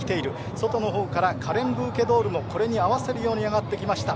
外のほうからカレンブーケドールもこれに合わせるように上がってきました。